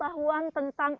sebentar yg di